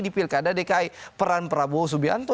di pilkada dki peran prabowo subianto